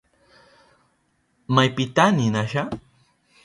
¿Maypita ninasha?